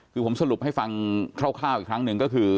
คือผมสรุปให้ฟังคร่าวอีกครั้งหนึ่งก็คือ